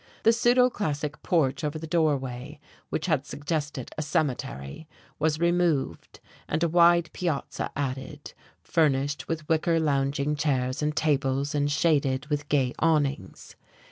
The pseudo classic porch over the doorway, which had suggested a cemetery, was removed, and a wide piazza added, furnished with wicker lounging chairs and tables, and shaded with gay awnings.